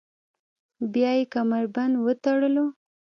بیا یې کمربند وتړلو.